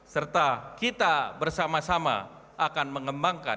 serta kita bersama sama akan mengembangkan